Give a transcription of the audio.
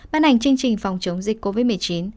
ban hành chương trình phòng chống dịch covid một mươi chín